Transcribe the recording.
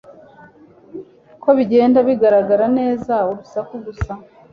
Ko bigenda bigaragara neza urusaku gusa